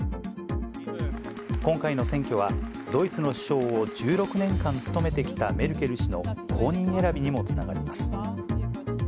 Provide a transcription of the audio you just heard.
今回の選挙は、ドイツの首相を１６年間務めてきたメルケル氏の後任選びにもつながります。